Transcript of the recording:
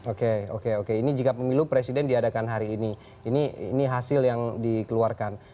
oke oke oke ini jika pemilu presiden diadakan hari ini ini hasil yang dikeluarkan